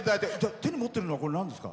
手に持ってるのはなんですか？